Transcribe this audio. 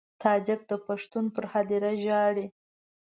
تاجک د پښتون پر هدیره ژاړي.